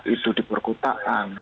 itu di perkotaan